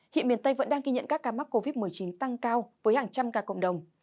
hiện miền tây vẫn đang ghi nhận các ca mắc covid một mươi chín tăng cao với hàng trăm ca cộng đồng